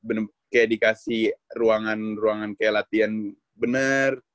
kayak dikasih ruangan kayak latihan benar